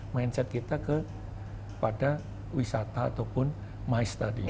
mindset kita ke pada wisata ataupun my study